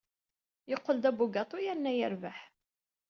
Yeqqel d abugaṭu yerna yerbeḥ.